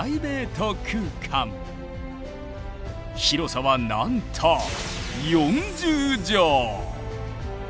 広さはなんと４０畳！